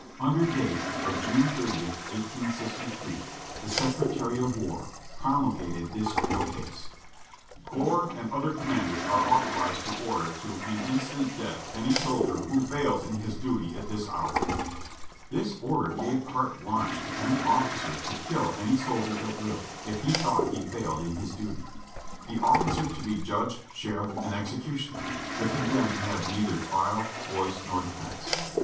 Under date of June 30th, 1863, the Secretary of War promulgated this ukase : "Corps and otJier commanders are authorized to order to in instant death any soldier who fails in his duty at this hour.'" (Reb. Records, Vol. 27, p. 415.) This order gave carte blanche to any officer to kill any soldier at will, if he thought he failed in his duty. The officer to be judge, sheriff and executioner; the condemned to have neither trial, voice, nor defense.